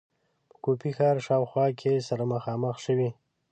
په کوفې ښار شاوخوا کې سره مخامخ شوې.